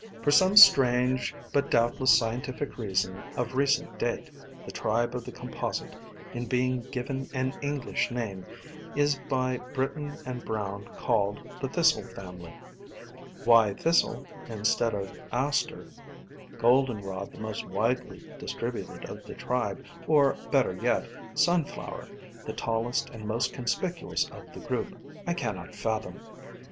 For some strange, but doubtless scientific reason, of recent date, the tribe of the Composite, in being given an English name, is by Britton and Brown called the Thistle Family. Why Thistle, instead of Aster, Goldenrod — the most widely distributed of the tribe — or, better yet, Sunflower, the tallest and most conspicuous of the group, I cannot fathom.